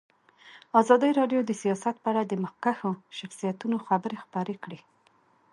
ازادي راډیو د سیاست په اړه د مخکښو شخصیتونو خبرې خپرې کړي.